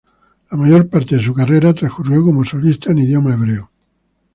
La mayor parte de su carrera transcurrió como solista en idioma hebreo.